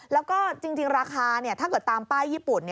แล้วก็จริงราคาถ้าเกิดตามป้ายญี่ปุ่น